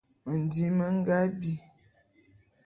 Mendim me nga bi.